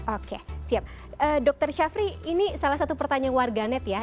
oke siap dokter syafri ini salah satu pertanyaan warganet ya